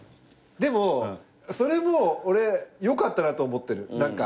でもそれも俺よかったなと思ってる。